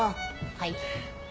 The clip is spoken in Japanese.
はい。